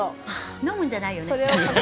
飲むんじゃないよね。